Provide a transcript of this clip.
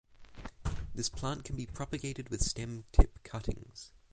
This plant can be propagated with stem tip cuttings.